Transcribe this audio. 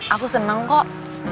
aku seneng kok